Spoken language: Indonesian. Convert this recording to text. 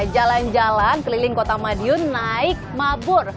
jalan jalan keliling kota madiun naik mabur